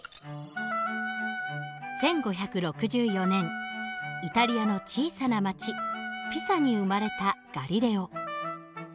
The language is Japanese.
１５６４年イタリアの小さな町ピサに生まれたガリレオ。